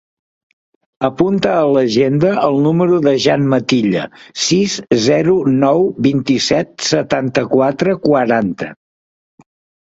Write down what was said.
Apunta a l'agenda el número del Jan Matilla: sis, zero, nou, vint-i-set, setanta-quatre, quaranta.